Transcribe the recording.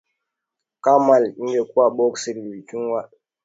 Kama lisingekuwa boksi lililochanwa na kutandikwa angekuwa amelala sakafuni kavukavu